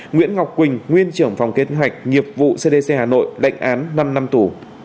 nguyễn ngọc quỳnh nguyên trưởng phòng kết hạch nghiệp vụ cdc hà nội đệnh án năm năm tù